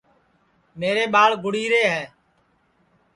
میرے ٻاݪ گُڑی رے ہے